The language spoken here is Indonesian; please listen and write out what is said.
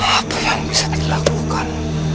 apa yang bisa dilakukan